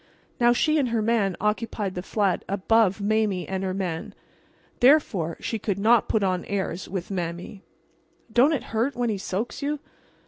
Now she and her man occupied the flat above Mame and her man. Therefore she could not put on airs with Mame. "Don't it hurt when he soaks you?"